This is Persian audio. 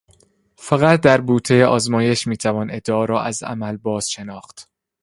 فقط در بوتهٔ آزمایش میتوان ادعا را از عمل باز شناخت.